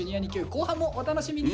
後半もお楽しみに！